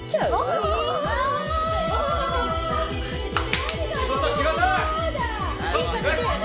はい。